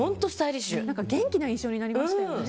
元気な印象になりましたよね。